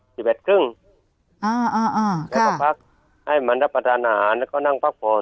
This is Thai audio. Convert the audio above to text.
แล้วก็พักให้มันรับประทานหาแล้วก็นั่งพักผ่อน